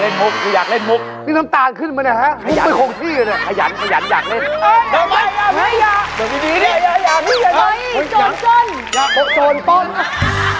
เดี๋ยวยานอนเหลือมาเล่นมุกตู้ยาไม่ใช่ตู้สับผ้า